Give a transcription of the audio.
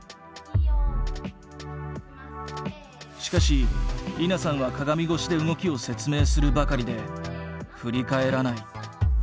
しかし莉菜さんは鏡越しで動きを説明するばかりで振り返らない。